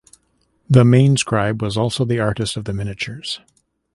The main scribe was also the artist of the miniatures.